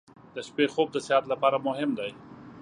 • د شپې خوب د صحت لپاره مهم دی.